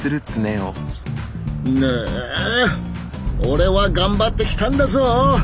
俺は頑張ってきたんだぞ！